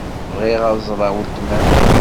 Bɣiɣ ad ẓṛeɣ weltma-m.